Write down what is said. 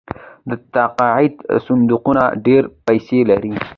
د تقاعد صندوقونه ډیرې پیسې لري.